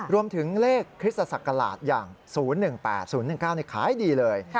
รวมถึงเลขคริสตศักราชอย่าง๐๑๘๐๑๙ขายดีเลย